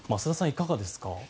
いかがですか。